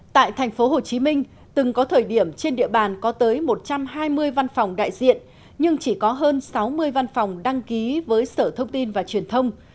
tại tp hcm từng có thời điểm trên địa bàn có tới một trăm hai mươi văn phòng đại diện nhưng chỉ có hơn sáu mươi văn phòng đăng ký với sở thông tin và truyền thông